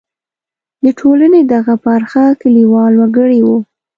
د ټولنې دغه برخه کلیوال وګړي وو.